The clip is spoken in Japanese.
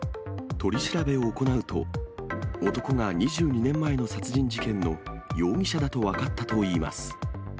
取り調べを行うと、男が２２年前の殺人事件の容疑者だと分かったといいます。